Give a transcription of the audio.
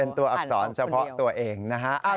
เป็นตัวอักษรเฉพาะตัวเองนะฮะ